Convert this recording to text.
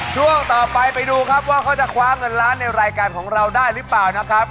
ช่วงต่อไปไปดูครับว่าเขาจะคว้าเงินล้านในรายการของเราได้หรือเปล่านะครับ